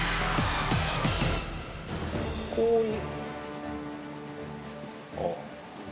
こういう。